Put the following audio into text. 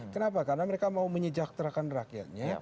kenapa karena mereka mau menyejahterakan rakyatnya